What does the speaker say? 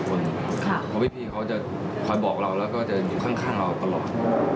เพราะพี่เขาจะคอยบอกเราแล้วก็จะอยู่ข้างเราตลอด